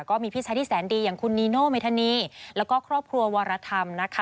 ก็มีพี่ชายที่แสนดีอย่างคุณนีโนเมธานีแล้วก็ครอบครัววรธรรมนะคะ